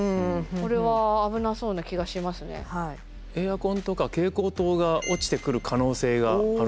エアコンとか蛍光灯が落ちてくる可能性があるのかなっていう。